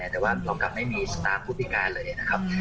แต่ว่าเรากลับไม่มีสตาร์ผู้พิการเลยนะครับ